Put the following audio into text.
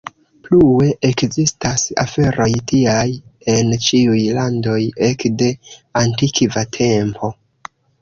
Plue ekzistas aferoj tiaj en ĉiuj landoj ekde antikva tempo.